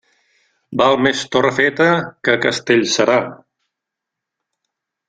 Val més Torrefeta que Castellserà.